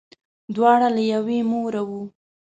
دواړه له یوې موره وه.